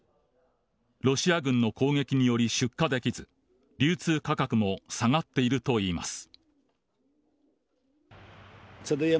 ロシア軍の攻撃により出荷できず流通価格も下がっているといいます。